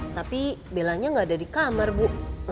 tapi bella gak ada di kamar bu